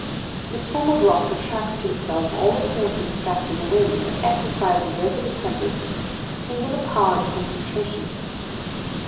This form of rock attracts to itself all the forces scattered in the winds, and exercises over the tempest a singular power of concentration.